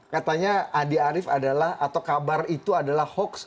katanya andi arief adalah atau kabar itu adalah hoax